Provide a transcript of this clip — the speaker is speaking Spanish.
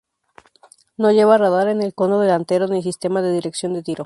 No lleva radar en el cono delantero ni sistema de dirección de tiro.